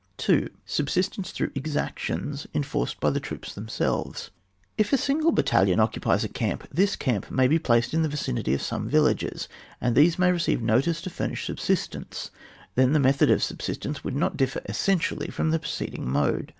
2. — Subsistence through exactions enforced hy the troops themselves, • If a single battalion occupies a camp, this camp may be placed in the vicinity of some villages, and these may receive notice to furnish subsistence; then the method of subsistence would not differ essentially from the preceding mode.